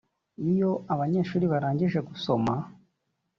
Iyo abanyeshuri barangije gusoma